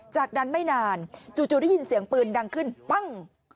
จากนั้นไม่นานจู่ได้ยินเสียงปืนดังขึ้นปั้ง